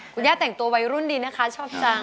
คุณย่าแต่งตัววัยรุ่นดีนะคะชอบจัง